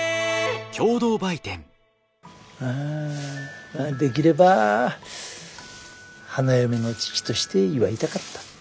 あできれば花嫁の父として祝いたかった。